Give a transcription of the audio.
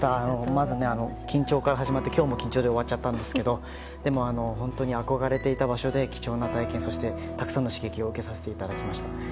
まず、緊張から始まって今日も緊張で終わっちゃったんですが本当に憧れていた場所で貴重な体験そしてたくさんの刺激を受けさせていただきました。